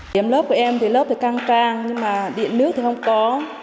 điểm lớp của em thì lớp thì căng trang nhưng mà điện nước thì không có